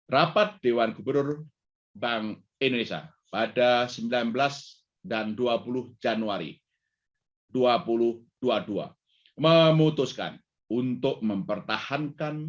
rapat dewan gubernur bank indonesia pada sembilan belas dan dua puluh januari dua ribu dua puluh dua memutuskan untuk mempertahankan